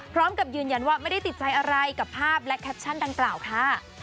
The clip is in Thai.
พร้อมกับยืนยันว่าไม่ได้ติดใจอะไรกับภาพและแคปชั่นดังกล่าวค่ะ